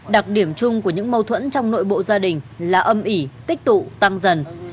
đặc điểm chung của những mâu thuẫn trong nội bộ gia đình là âm ỉ tích tụ tăng dần